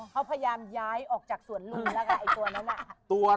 เขาพยายามย้ายออกจากส่วนรูนะคะไอ้ตัวนั้น